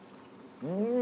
うん！